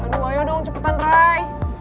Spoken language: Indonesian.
aduh mayor dong cepetan rai